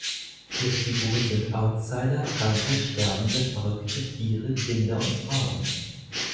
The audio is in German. Ihre Figuren sind Outsider, Kranke, Sterbende, Verrückte, Tiere, Kinder und Frauen.